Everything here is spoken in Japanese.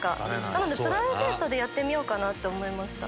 なのでプライベートでやってみようかなって思いました。